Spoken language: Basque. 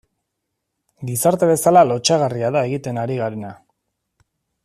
Gizarte bezala lotsagarria da egiten ari garena.